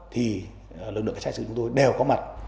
thì lực lượng trại sự của chúng tôi đều có mặt